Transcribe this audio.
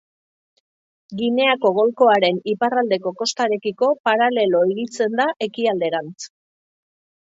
Gineako golkoaren iparraldeko kostarekiko paralelo higitzen da ekialderantz.